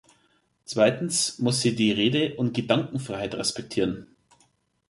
Zweitens muss sie die Rede- und Gedankenfreiheit respektieren.